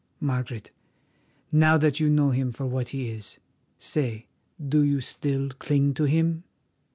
Margaret, now that you know him for what he is, say, do you still cling to him?"